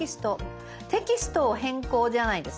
「テキストを変更」じゃないですか？